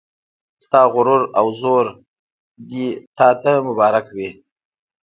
ستا غرور او زور دې تا ته مبارک وي